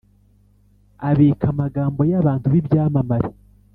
abika amagambo y’abantu b’ibyamamare,